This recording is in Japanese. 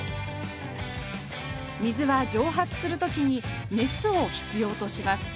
水は蒸発する時に熱を必要とします。